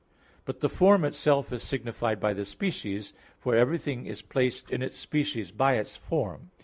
But the form itself is signified by the species; for everything is placed in its species by its form.